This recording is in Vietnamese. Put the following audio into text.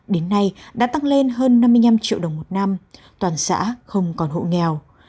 đến nay đã tăng lên hơn năm mươi năm triệu đồng một năm toàn xã không còn hộ nghèo